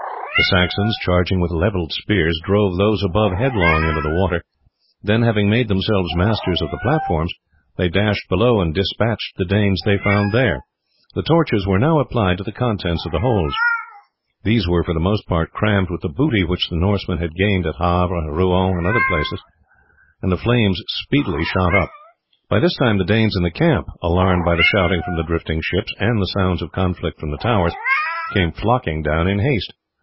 The Saxons, charging with levelled spears, drove those above headlong into the water; then, having made themselves masters of the platforms, they dashed below and despatched the Danes they found there. The torches were now applied to the contents of the holds. These were for the most part crammed with the booty which the Norsemen had gained at Havre, Rouen, and other places, and the flames speedily shot up. By this time the Danes in the camp, alarmed by the shouting from the drifting ships and the sounds of conflict from the towers, came flocking down in haste.